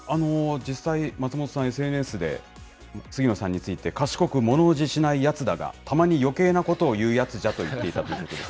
実際、松本さん、ＳＮＳで、杉野さんについて賢くものおじしないやつだが、たまによけいなことを言うやつじゃと言っていたんです。